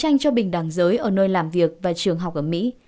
tranh cho bình đẳng giới ở nơi làm việc và trường học ở mỹ